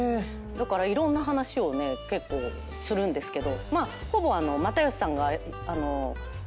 だからいろんな話をね結構するんですけど。